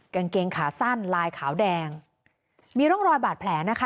กางเกงขาสั้นลายขาวแดงมีร่องรอยบาดแผลนะคะ